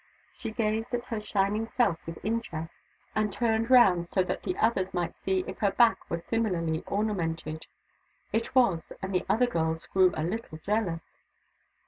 She gazed at her shining self with interest, and turned round so that the others might see if her back were similarly ornamented. It was, and the other girls grew a little jealous.